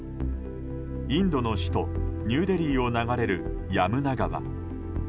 インドの首都ニューデリーを流れるヤムナ川。